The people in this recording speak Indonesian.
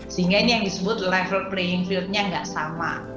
sehingga ini yang disebut level playing field nya nggak sama